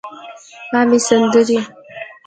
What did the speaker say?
عامې سندرې